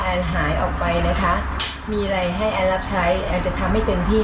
หายออกไปนะคะมีอะไรให้แอนรับใช้แอนจะทำให้เต็มที่